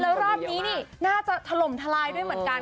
แล้วรอบนี้นี่น่าจะถล่มทลายด้วยเหมือนกัน